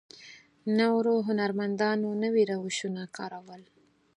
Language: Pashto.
نورو هنرمندانو نوي روشونه کارول.